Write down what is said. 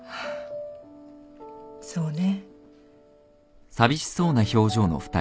そうね。